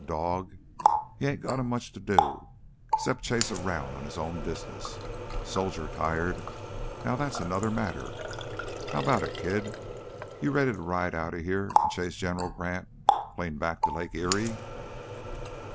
A dog, he ain't got him much to do 'cept chase around on his own business. Soldier tired now that's another matter. How 'bout it, kid? You ready to ride right outta heah an' chase General Grant clean back to Lake Erie?"